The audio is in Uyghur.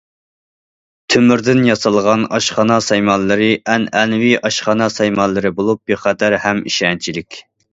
تۆمۈردىن ياسالغان ئاشخانا سايمانلىرى ئەنئەنىۋى ئاشخانا سايمانلىرى بولۇپ، بىخەتەر ھەم ئىشەنچلىك.